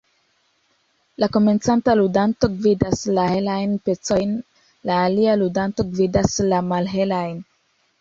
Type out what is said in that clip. La komencanta ludanto gvidas la helajn pecojn, la alia ludanto gvidas la malhelajn.